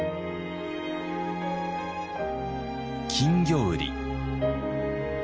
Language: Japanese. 金魚売り。